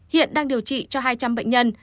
hiện đang điều trị cho hai trăm linh bệnh nhân